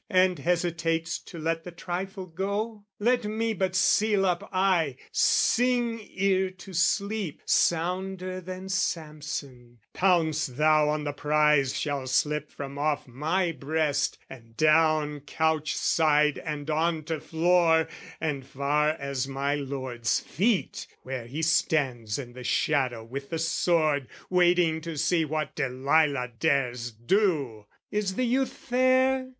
"And hesitates to let the trifle go? "Let me but seal up eye, sing ear to sleep "Sounder than Samson, pounce thou on the prize "Shall slip from off my breast, and down couch side "And on to floor, and far as my lord's feet "Where he stands in the shadow with the sword "Waiting to see what Delilah dares do! "Is the youth fair?